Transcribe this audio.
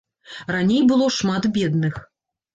Раней было шмат бедных.